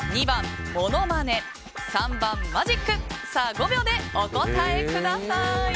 ５秒でお答えください。